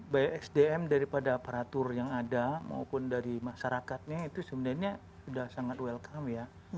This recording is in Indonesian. baik sdm daripada aparatur yang ada maupun dari masyarakatnya itu sebenarnya sudah sangat welcome ya